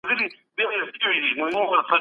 خلک غواړي ماشومان یې په امن کې لوی شي.